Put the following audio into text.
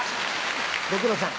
ご苦労さん。